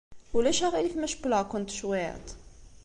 Ulac aɣilif ma cewwleɣ-kent cwiṭ?